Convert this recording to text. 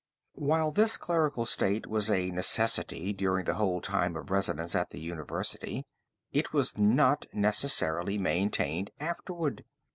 While this clerical state was a necessity during the whole time of residence at the university, it was not necessarily maintained afterward.